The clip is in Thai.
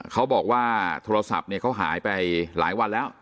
เขาบอกว่าโทรศัพท์เนี่ยเขาหายไปหลายวันแล้ว